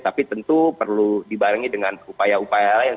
tapi tentu perlu dibarengi dengan upaya upaya lain